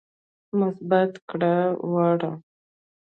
مثبت کړه وړه